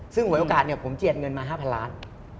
ซึ่งหวยโอกาสเนี่ยผมเจียดเงินมา๕๐๐ล้าน